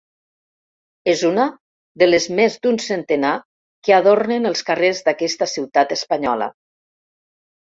És una de les més d'un centenar que adornen els carrers d'aquesta ciutat espanyola.